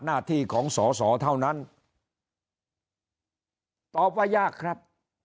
หน้าที่ของสอสอเท่านั้นตอบว่ายากครับ